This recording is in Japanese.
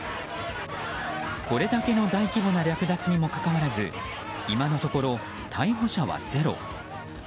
これだけの大規模な略奪にもかかわらず今のところ、逮捕者はゼロ。